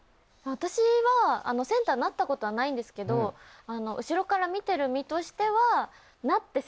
私はセンターになったことはないんですけど後ろから見てる身としては。